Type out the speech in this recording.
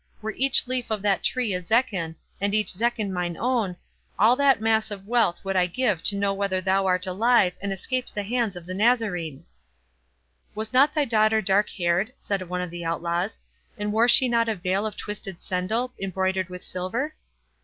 were each leaf on that tree a zecchin, and each zecchin mine own, all that mass of wealth would I give to know whether thou art alive, and escaped the hands of the Nazarene!" "Was not thy daughter dark haired?" said one of the outlaws; "and wore she not a veil of twisted sendal, broidered with silver?"